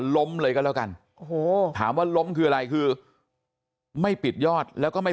ล้มเลยก็แล้วกันโอ้โหถามว่าล้มคืออะไรคือไม่ปิดยอดแล้วก็ไม่